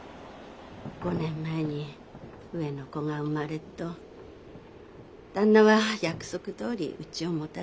５年前に上の子が生まれると旦那は約束どおりうちを持たせてくれました。